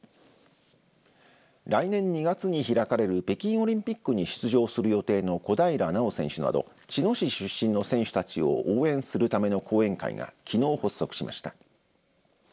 来年２月に開かれる北京オリンピックに出場する予定の小平奈緒選手など茅野市出身の選手たちを応援するための後援会がきのう発足しました。